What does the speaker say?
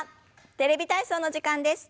テレビ体操の時間です。